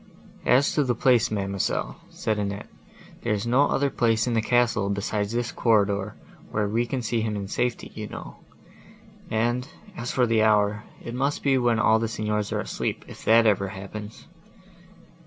"As to the place, mademoiselle," said Annette, "there is no other place in the castle, besides this corridor, where we can see him in safety, you know; and, as for the hour,—it must be when all the Signors are asleep, if that ever happens!"